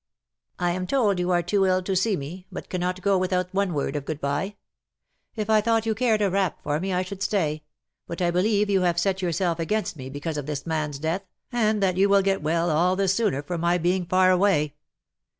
" I am told you are too ill to see me, but cannot go without one word of good bye. If I thought you cared a rap for me, I should stay ; but I believe you have set yourself against me because of this man's death, and that you will get well all the sooner for my being far away.